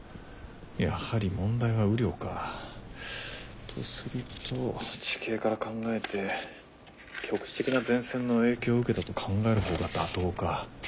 やはり問題は雨量か。とすると地形から考えて局地的な前線の影響を受けたと考える方が妥当か。